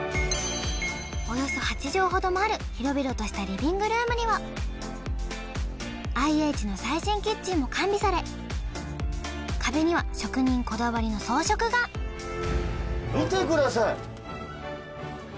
およそ８畳ほどもある広々としたリビングルームにはＩＨの最新キッチンも完備され壁には職人こだわりの装飾が見てください